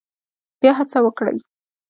بیا هڅه وکړئ